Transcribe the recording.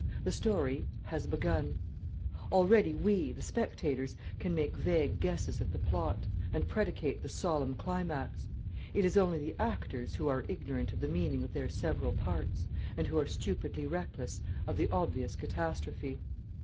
The story has begun: already we, the spectators, can make vague guesses at the plot, and predicate the solemn climax; it is only the actors who are ignorant of the meaning of their several parts, and who are stupidly reckless of the obvious catastrophe.